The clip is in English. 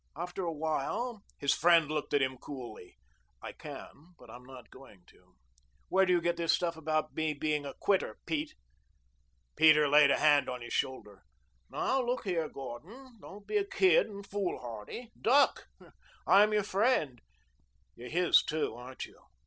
After a while " His friend looked at him coolly. "I can, but I'm not going to. Where do you get this stuff about me being a quitter, Pete?" Peter laid a hand on his shoulder. "Now, look here, Gordon. Don't be a kid and foolhardy. Duck. I'm your friend " "You're his, too, aren't you?"